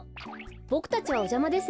ボクたちはおじゃまですね。